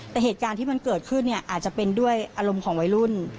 แต่เหตุการณ์ที่มันเกิดขึ้นเนี่ยอาจจะเป็นด้วยอารมณ์ของวัยรุ่น